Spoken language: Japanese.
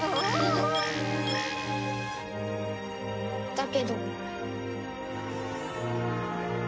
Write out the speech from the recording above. だけど。